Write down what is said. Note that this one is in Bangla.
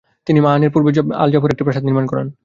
তিনি মাআনের পূর্বে আল জাফরে একটি প্রাসাদ নির্মাণ করান।